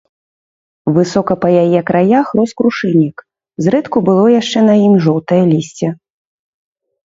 Высока па яе краях рос крушыннік, зрэдку было яшчэ на ім жоўтае лісце.